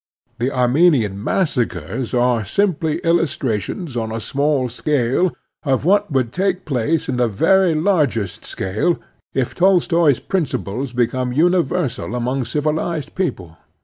The Armenian massacres are simply illustrations on a small scale of what would take place on the very largest scale if Tolstoi's prin ciples became imiversal among civilized people.